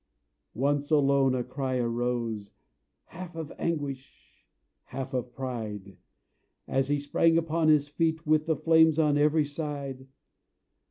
Once alone a cry arose, Half of anguish, half of pride, As he sprang upon his feet With the flames on every side.